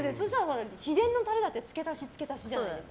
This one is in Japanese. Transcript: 秘伝のタレだってつけたしつけたしじゃないですか。